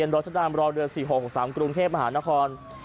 รัชดามรอเดือน๔๖๖๓กรุงเทพมหานคร